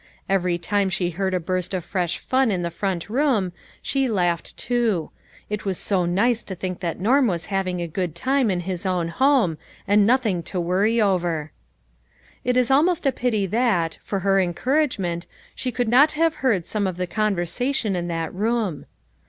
Every time she heard a burst of fresh fun from the front room, she laughed, too ; it was so nice to think that Norm was having a good time in his own home, and nothing to worry over. It is almost a pity that, for her encourage ment, she could not have heard some of the con versation in that room.